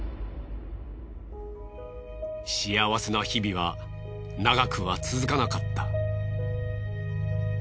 幸せな日々は長くは続かなかった。